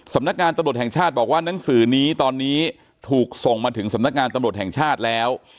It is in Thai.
สำนักงานตำรวจแห่งชาติบอกว่าหนังสือนี้ตอนนี้ถูกส่งมาถึงสำนักงานตำรวจแห่งชาติแล้ว